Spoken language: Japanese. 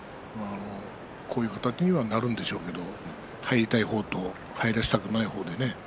こういう形にはなるんでしょうけれど入りたい方と入らせたくない方で。